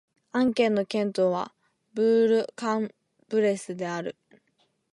アン県の県都はブール＝カン＝ブレスである